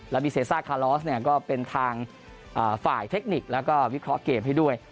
แล้วบีเซซ่าคาลอสเนี่ยก็เป็นทางฝ่ายเทคนิคแล้วก็วิเคราะห์เกมให้ด้วย